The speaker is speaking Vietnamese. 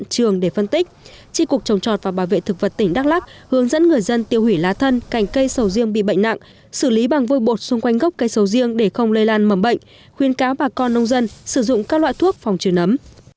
tri cục trồng trọt và bảo vệ thực vật tỉnh đắk lắc hướng dẫn người dân tiêu hủy lá thân cành cây sầu riêng bị bệnh nặng xử lý bằng vôi bột xung quanh gốc cây sầu riêng để không lây lan mầm bệnh khuyên cáo bà con nông dân sử dụng các loại thuốc phòng trừ nấm